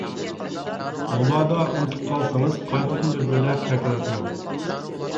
مۇبادا ئۇنتۇپ قالسىڭىز قايتىدىن بىر-بىرلەپ تەكرار قىلىڭ.